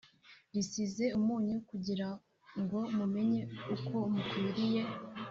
risize umunyu kugira ngo mumenye uko mukwiriye